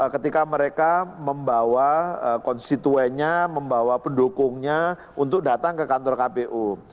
ketika mereka membawa konstituennya membawa pendukungnya untuk datang ke kantor kpu